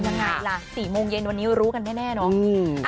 ยังไงล่ะ๔โมงเย็นวันนี้รู้กันแน่เนาะ